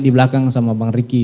di belakang sama bang riki